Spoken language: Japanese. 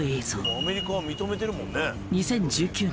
でもアメリカは認めてるもんね。